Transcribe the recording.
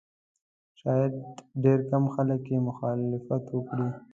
شاید ډېر کم خلک یې مخالفت وکړي.